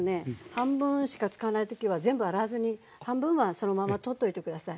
半分しか使わない時は全部洗わずに半分はそのまま取っておいて下さい。